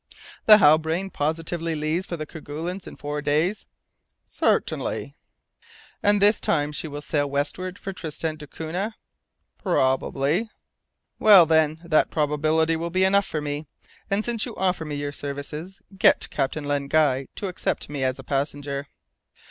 "The Halbrane positively leaves the Kerguelens in four days?" "Certainly." "And this time she will sail westward for Tristan d'Acunha?" "Probably." "Well, then, that probability will be enough for me, and since you offer me your services, get Captain Len Guy to accept me as a passenger."